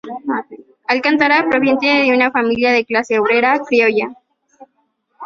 Alcántara proviene de una familia de clase obrera criolla.